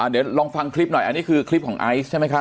เดี๋ยวลองฟังคลิปหน่อยอันนี้คือคลิปของไอซ์ใช่ไหมครับ